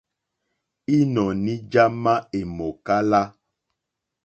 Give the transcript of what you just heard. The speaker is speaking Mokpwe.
Ínɔ̀ní já má èmòkála.